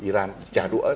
iran trả đũa